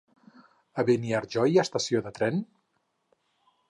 A Beniarjó hi ha estació de tren?